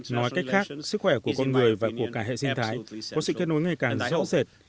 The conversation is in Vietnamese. nói cách khác sức khỏe của con người và của cả hệ sinh thái có sự kết nối ngày càng rõ rệt